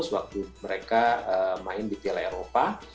sewaktu mereka main di piala eropa